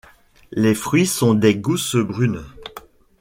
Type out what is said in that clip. Les fruits sont des gousses brunes.